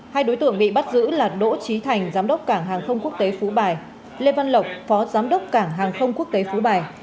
hai đối tượng bị bắt giữ là đỗ trí thành giám đốc cảng hàng không quốc tế phú bài lê văn lộc phó giám đốc cảng hàng không quốc tế phú bài